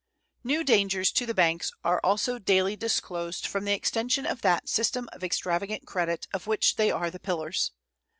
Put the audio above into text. New dangers to the banks are also daily disclosed from the extension of that system of extravagant credit of which they are the pillars.